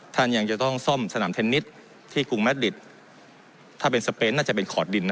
ท่านยังจะต้องซ่อมสนามเทนนิสที่กรุงแมทดิตถ้าเป็นสเปนน่าจะเป็นขอดดินนะ